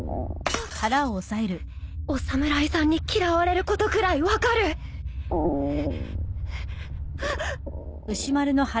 お侍さんに嫌われることくらい分かる・あっ。